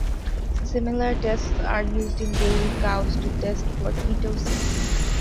Similar tests are used in dairy cows to test for ketosis.